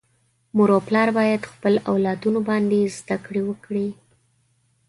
مور او پلار باید خپل اولادونه باندي زده کړي وکړي.